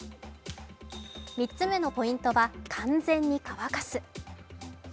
３つ目のポイントは完全に乾かす。